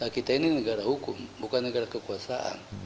kita ini negara hukum bukan negara kekuasaan